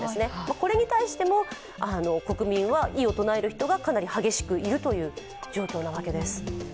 これに対しても国民は異を唱える人がかなり激しくいる状況なわけです。